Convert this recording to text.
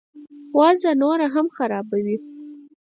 وضع نوره هم خرابوي.